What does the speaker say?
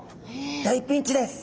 大ピンチです。